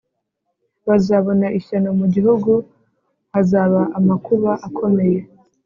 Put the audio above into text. bazabona ishyano mu gihugu hazaba amakuba akomeye